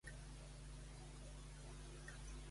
Explica'm per on vaig al Zara.